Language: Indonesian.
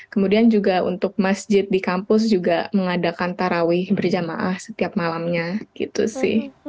kemudian juga untuk masjid di kampus juga mengadakan tarawih berjamaah setiap malamnya gitu sih